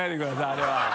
あれは。